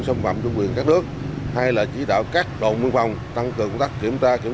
xâm phạm chủ quyền các nước hay là chỉ đạo các đồn biên phòng tăng cường công tác kiểm tra kiểm